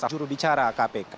juru bicara kpk